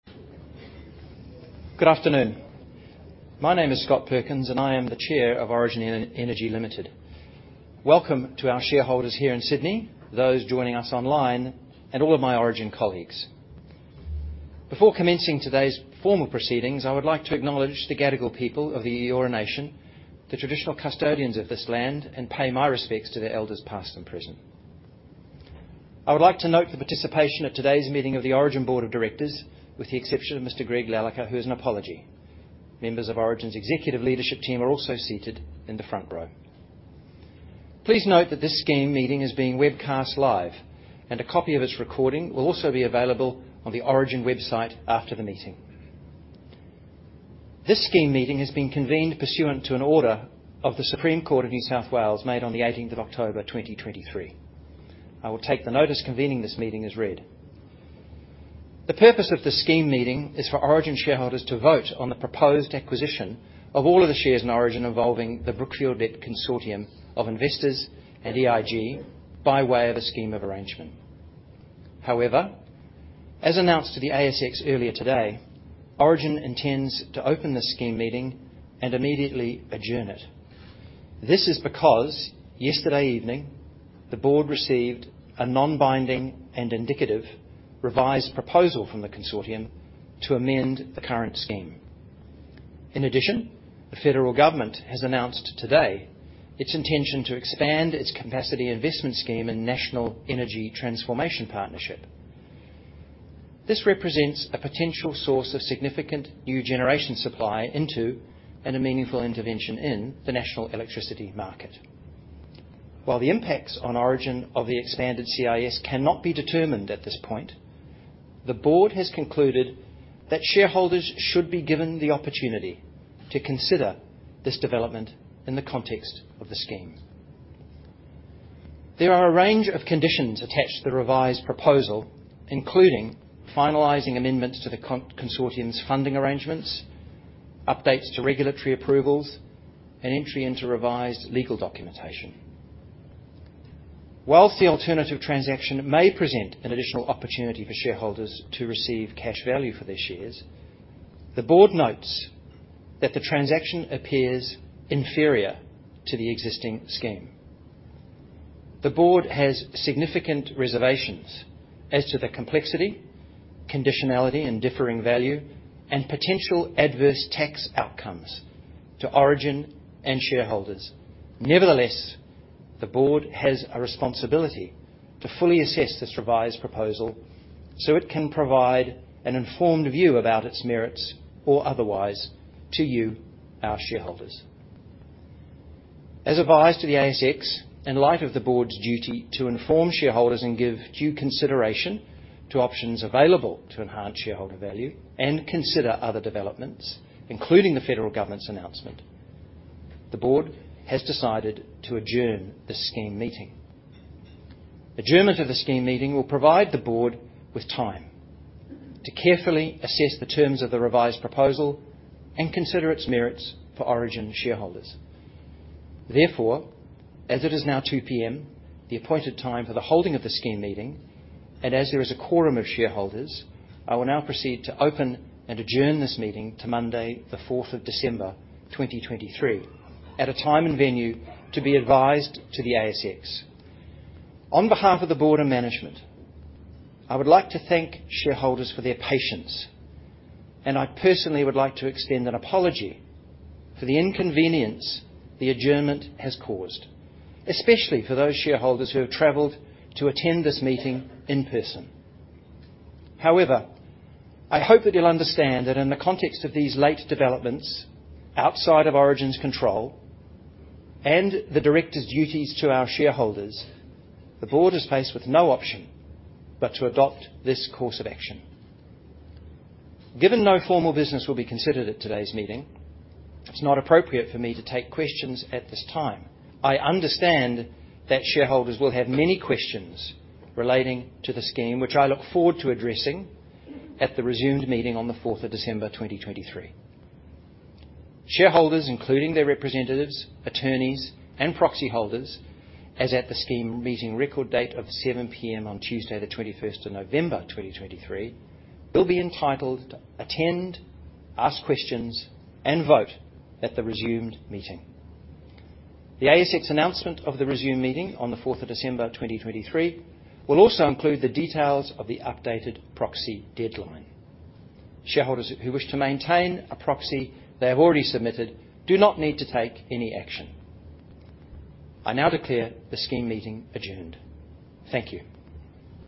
Good afternoon. My name is Scott Perkins, and I am the Chair of Origin Energy Limited. Welcome to our shareholders here in Sydney, those joining us online, and all of my Origin colleagues. Before commencing today's formal proceedings, I would like to acknowledge the Gadigal people of the Eora Nation, the traditional custodians of this land, and pay my respects to their elders, past and present. I would like to note the participation at today's meeting of the Origin Board of Directors, with the exception of Mr. Greg Lalicker, who has an apology. Members of Origin's executive leadership team are also seated in the front row. Please note that this scheme meeting is being webcast live, and a copy of its recording will also be available on the Origin website after the meeting. This scheme meeting has been convened pursuant to an order of the Supreme Court of New South Wales, made on the eighteenth of October, twenty twenty-three. I will take the notice convening this meeting as read. The purpose of this scheme meeting is for Origin shareholders to vote on the proposed acquisition of all of the shares in Origin, involving the Brookfield Asset Management consortium of investors and EIG by way of a scheme of arrangement. However, as announced to the ASX earlier today, Origin intends to open this scheme meeting and immediately adjourn it. This is because yesterday evening, the board received a non-binding and indicative revised proposal from the consortium to amend the current scheme. In addition, the federal government has announced today its intention to expand its Capacity Investment Scheme and National Energy Transformation Partnership. This represents a potential source of significant new generation supply into, and a meaningful intervention in, the National Electricity Market. While the impacts on Origin of the expanded CIS cannot be determined at this point, the board has concluded that shareholders should be given the opportunity to consider this development in the context of the scheme. There are a range of conditions attached to the revised proposal, including finalizing amendments to the consortium's funding arrangements, updates to regulatory approvals, and entry into revised legal documentation. While the alternative transaction may present an additional opportunity for shareholders to receive cash value for their shares, the board notes that the transaction appears inferior to the existing scheme. The board has significant reservations as to the complexity, conditionality, and differing value, and potential adverse tax outcomes to Origin and shareholders. Nevertheless, the board has a responsibility to fully assess this revised proposal so it can provide an informed view about its merits or otherwise to you, our shareholders. As advised to the ASX, in light of the board's duty to inform shareholders and give due consideration to options available to enhance shareholder value and consider other developments, including the federal government's announcement, the board has decided to adjourn the scheme meeting. Adjournment of the scheme meeting will provide the board with time to carefully assess the terms of the revised proposal and consider its merits for Origin shareholders. Therefore, as it is now 2:00 P.M., the appointed time for the holding of the scheme meeting, and as there is a quorum of shareholders, I will now proceed to open and adjourn this meeting to Monday, the fourth of December, 2023, at a time and venue to be advised to the ASX. On behalf of the board and management, I would like to thank shareholders for their patience, and I personally would like to extend an apology for the inconvenience the adjournment has caused, especially for those shareholders who have traveled to attend this meeting in person. However, I hope that you'll understand that in the context of these late developments, outside of Origin's control and the directors' duties to our shareholders, the board is faced with no option but to adopt this course of action. Given no formal business will be considered at today's meeting, it's not appropriate for me to take questions at this time. I understand that shareholders will have many questions relating to the scheme, which I look forward to addressing at the resumed meeting on the 4th of December, 2023. Shareholders, including their representatives, attorneys, and proxy holders, as at the scheme meeting record date of 7 P.M. on Tuesday, the 21st of November, 2023, will be entitled to attend, ask questions, and vote at the resumed meeting. The ASX announcement of the resumed meeting on the 4th of December, 2023, will also include the details of the updated proxy deadline. Shareholders who wish to maintain a proxy they have already submitted do not need to take any action. I now declare the scheme meeting adjourned. Thank you.